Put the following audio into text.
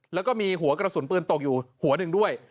แล้วก็มีหัวกระสุนปืนตกอยู่หัวหนึ่งด้วย